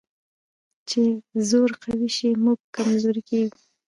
چې زور قوي شي، موږ کمزوري کېږو.